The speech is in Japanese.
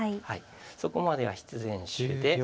はいそこまでは必然手で。